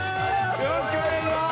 ◆よろしくお願いします。